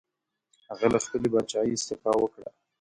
هغه له خپلې پاچاهۍ استعفا وکړه.